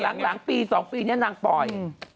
แต่หลังปีสองปีนี้นางปล่อย